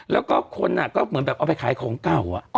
แล้วก็คนก็เหมือนแบบเอาไปขายของเก่า